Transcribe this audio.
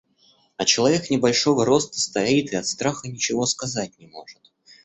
А человек небольшого роста стоит и от страха ничего сказать не может.